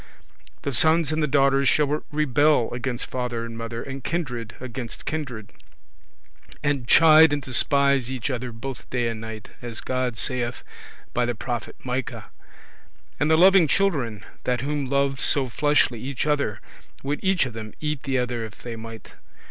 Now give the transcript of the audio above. The Sons and the daughters shall rebel against father and mother, and kindred against kindred, and chide and despise each other, both day and night, as God saith by the prophet Micah. And the loving children, that whom loved so fleshly each other, would each of them eat the other if they might.